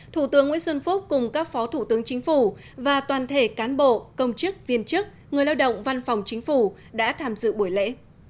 thủ tướng nguyễn xuân phúc cùng các phó thủ tướng chính phủ và toàn thể cán bộ công chức viên chức người lao động văn phòng chính phủ đã tham dự buổi lễ